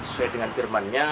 sesuai dengan firmannya